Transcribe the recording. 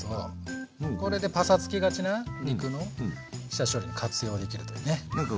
これでパサつきがちな肉の下処理に活用できるというね。